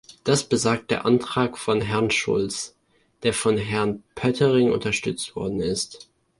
Das besagt der Antrag von Herrn Schulz, der von Herrn Pöttering unterstützt worden ist.